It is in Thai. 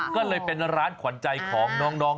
ก็เลยเป็นร้านขวัญใจของน้อง